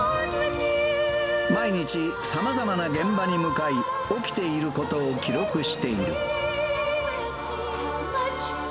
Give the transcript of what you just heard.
毎日さまざまな現場に向かい、起きていることを記録している。